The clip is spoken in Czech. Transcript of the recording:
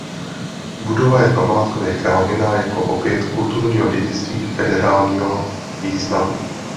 Budova je památkově chráněna jako objekt kulturního dědictví federálního významu.